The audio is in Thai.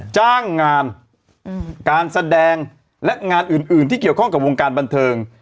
จ้างงานการแสดงและงานอื่นที่เกี่ยวข้องกับวงการบันเทิง